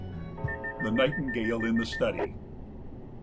THE NIGHTINGALE IN THE STUDY.